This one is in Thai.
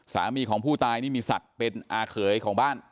สามีของผู้ตายนี่มีศักดิ์เป็นอาเขยของบ้าน